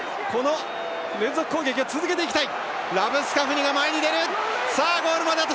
連続攻撃を続けていきたい！